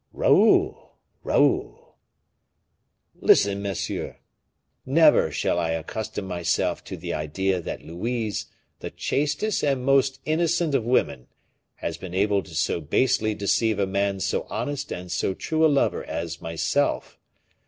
"Raoul! Raoul!" "Listen, monsieur. Never shall I accustom myself to the idea that Louise, the chastest and most innocent of women, has been able to so basely deceive a man so honest and so true a lover as myself.